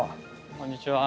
こんにちは。